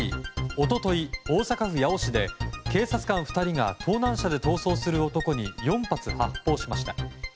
一昨日、大阪府八尾市で警察官２人が盗難車で逃走する男に４発発砲しました。